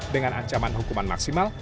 dengan ancaman hukuman maksimal